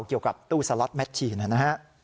เกี่ยวกับตู้สล็อตแมทชีนนะฮะ